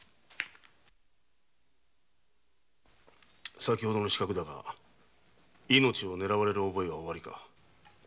先ほどの刺客だが命を狙われる覚えがおありか。